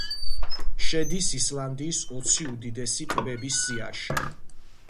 შედის ისლანდიის ოცი უდიდესი ტბების სიაში.